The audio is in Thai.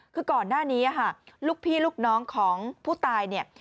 คือก่อนหน้านี้ค่ะลูกพี่ลูกน้องของผู้ตายเนี่ย